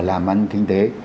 làm ăn kinh tế